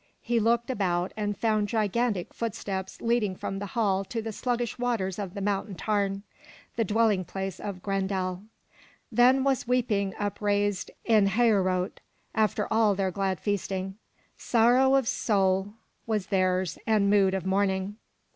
He looked about and found gigantic footsteps leading from the hall to the sluggish waters of a mountain tarn, the dwelling place of Grendel. Then was weeping upraised in He'o rot after all their glad feast ing. Sorrow of soul Vv^as theirs and mood of mourning.